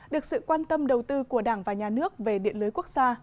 được sự quan tâm đầu tư của đảng và nhà nước về điện lưới quốc gia